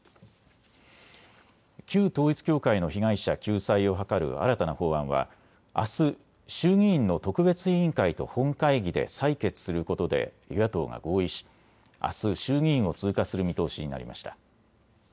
旧統一教会の被害者救済を図る新たな法案はあす、衆議院の特別委員会と本会議で採決することで与野党が合意しあす衆議院を通過する見通しになりました。